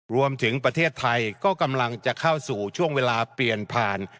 รวมถึงประเทศไทยก็กำลังจะเข้าสู่ช่วงเวลาเปลี่ยนผ่าน